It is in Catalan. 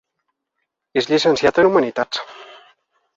És llicenciat en Humanitats.